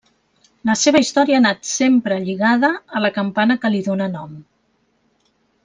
La seva història ha anat sempre lligada a la campana que li dóna nom.